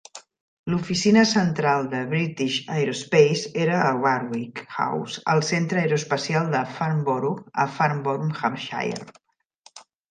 L'oficina central de British Aerospace era a Warwick House, al Centre Aeroespacial de Farnborough a Farnborough, Hampshire.